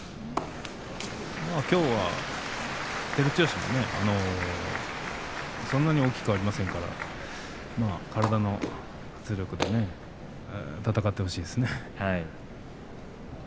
きょうは照強もそんなに大きくありませんから体の圧力で戦ってほしいですね。